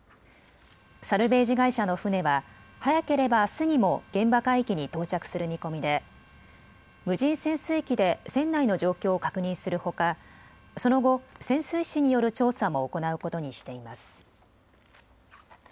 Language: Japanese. サルベージ会社の船は早ければあすにも現場海域に到着する見込みで無人潜水機で船内の状況を確認するほか、その後、潜水士による調査も行うことにしています。